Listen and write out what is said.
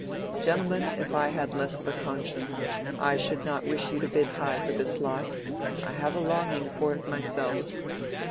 Gentlemen, if I had less of a conscience, I should not wish you to bid high for this lot—I have a longing for it myself.